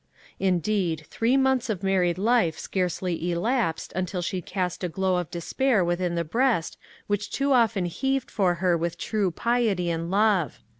Indeed, three months of married life scarcely elapsed until she cast a glow of despair within the breast which too often heaved for her with true piety and love.